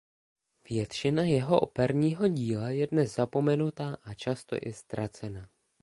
Většina jeho operního díla je dnes zapomenuta a často i ztracena.